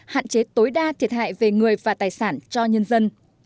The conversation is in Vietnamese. hạn chế tối đa thiệt hại về người và tài sản cho nhân dân